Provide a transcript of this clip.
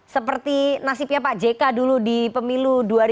seperti nasibnya pak jk dulu di pemilu dua ribu dua puluh